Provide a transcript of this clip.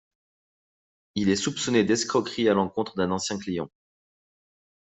Il est soupçonné d'escroquerie à l'encontre d'un ancien client.